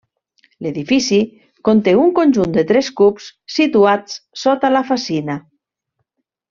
L'edifici conté un conjunt de tres cups, situats sota la fassina.